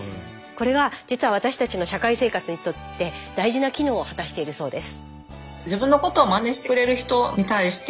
これは実は私たちの社会生活にとって大事な機能を果たしているそうです。